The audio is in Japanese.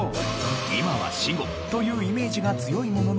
今は死語というイメージが強いものの。